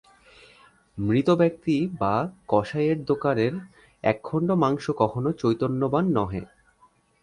মৃতব্যক্তি বা কসাই-এর দোকানের একখণ্ড মাংস কখনও চৈতন্যবান নহে।